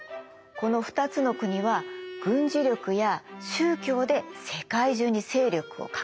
この２つの国は軍事力や宗教で世界中に勢力を拡大してたの。